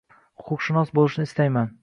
Huquqshunos bo`lishni istayman